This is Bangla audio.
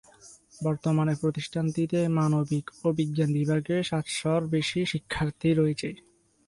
বর্তমানে প্রতিষ্ঠানটিতে মানবিক ও বিজ্ঞান বিভাগে সাতশ’র বেশি শিক্ষার্থী রয়েছে।